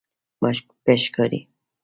مشکوکه ښکاري.